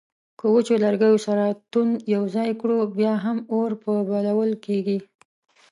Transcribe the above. که وچو لرګیو سره توند یو ځای کړو بیا هم اور په بلول کیږي